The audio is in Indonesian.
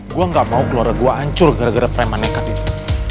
gue gak mau keluar gua hancur gara gara preman nekat itu